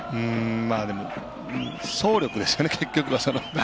でも、総力ですよね結局は。